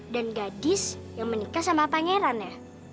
dan gadis yang menikah sama pangeran ya